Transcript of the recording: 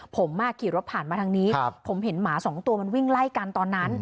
ผมขี่รถผ่านมาทางนี้ผมเห็นหมาสองตัวมันวิ่งไล่กันตอนนั้น